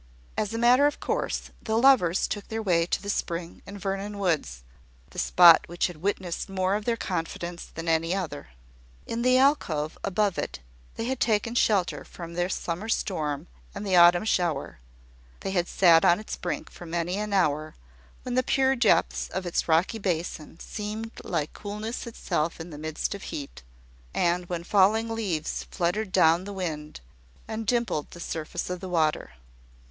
As a matter of course, the lovers took their way to the Spring in the Vernon woods, the spot which had witnessed more of their confidence than any other. In the alcove above it they had taken shelter from the summer storm and the autumn shower; they had sat on its brink for many an hour, when the pure depths of its rocky basin seemed like coolness itself in the midst of heat, and when falling leaves fluttered down the wind, and dimpled the surface of the water.